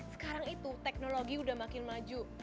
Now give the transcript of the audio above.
sekarang itu teknologi udah makin maju